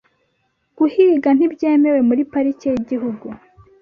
Guhiga ntibyemewe muri parike yigihugu.